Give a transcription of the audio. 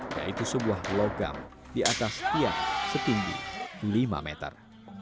yaitu sebuah logam di atas tiang setinggi lima meter